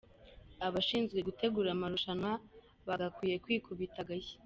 Abashinzwe gutegura amarushanwa bagakwiye kwikubita agashyi.